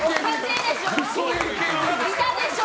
いたでしょ！